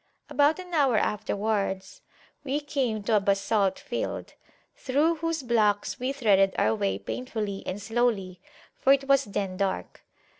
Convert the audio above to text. About an hour afterwards we came to a basalt field, through whose blocks we threaded our way painfully and slowly, for it was then dark.